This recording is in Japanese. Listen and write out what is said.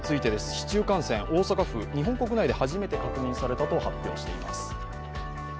市中感染、大阪府、日本国内で初めて確認されたと発表しています。